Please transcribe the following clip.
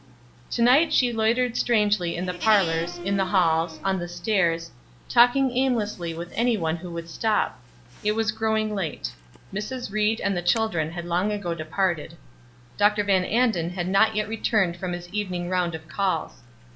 To night she loitered strangely in the parlors, in the halls, on the stairs, talking aimlessly with any one who would stop; it was growing late. Mrs. Ried and the children had long ago departed. Dr. Van Anden had not yet returned from his evening round of calls.